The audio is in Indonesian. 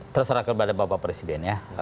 saya kira kepada bapak presiden ya